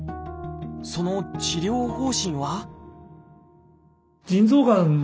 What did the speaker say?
その治療方針は？